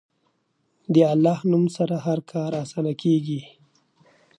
د الله نوم سره هر کار اسانه کېږي.